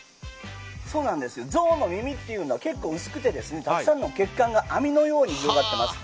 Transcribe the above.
ゾウの耳っていうのは結構、薄くてたくさんの血管が網のように広がっています。